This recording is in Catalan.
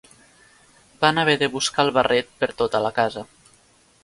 Van haver de buscar el barret per tota la casa.